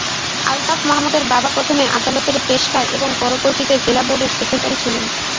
আলতাফ মাহমুদের বাবা প্রথমে আদালতের পেশকার এবং পরবর্তীতে জেলা বোর্ডের সেক্রেটারি ছিলেন।